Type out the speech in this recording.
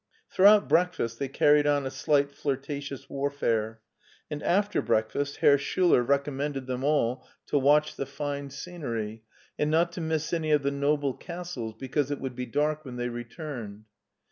Throughout breakfast they carried on a slight flirta tious warfare, and after breakfast Herr Schuler 44 MARTIN SCHULER recommended them all to watch the fine scenery and not to miss any of the noble castles because it would be dark when they returned.